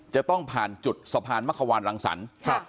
จะต้องผ่านจุดสะพานมะขวานรังสรรค์